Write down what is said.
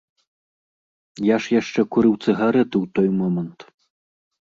Я ж яшчэ курыў цыгарэты ў той момант.